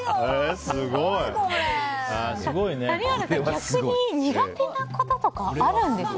谷原さん、逆に苦手なこととかあるんですか？